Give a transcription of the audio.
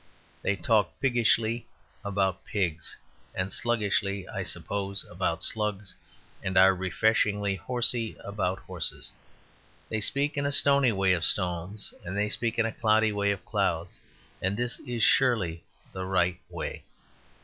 They talk piggishly about pigs; and sluggishly, I suppose, about slugs; and are refreshingly horsy about horses. They speak in a stony way of stones; they speak in a cloudy way of clouds; and this is surely the right way.